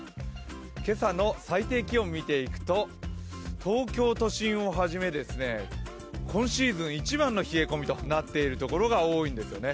今朝の最低気温を見ていくと、東京都心をはじめ、今シーズン一番の冷え込みとなっているところが多いんですよね。